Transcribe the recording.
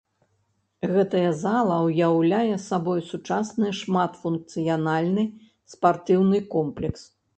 Гэтая зала ўяўляе сабой сучасны шматфункцыянальны спартыўны комплекс.